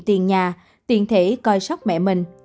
tiền nhà tiền thể coi sóc mẹ mình